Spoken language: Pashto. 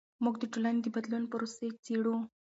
موږ د ټولنې د بدلون پروسې څیړو.